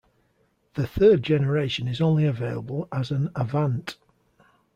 The third generation is only available as an Avant.